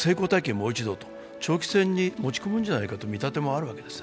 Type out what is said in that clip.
もう一度と、長期戦に持ち込むんじゃないかという見立てもあるんですね。